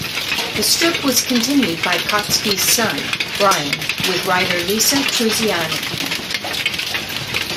The strip was continued by Kotzky's son, Brian, with writer Lisa Trusiani.